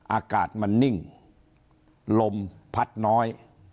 อากาศมันนิ่งลมพัดน้อย